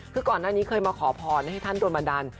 คือก่อนหน้านี้เคยมาขอพรให้ท่านโดนมาดัน